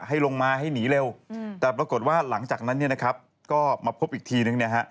ให้ลงมาให้หนีเร็วแต่ปรากฏว่าหลังจากนั้นเนี่ยนะครับก็มาพบอีกทีนึงเนี่ยฮะ